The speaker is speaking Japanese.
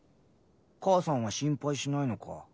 母さんは心配しないのか？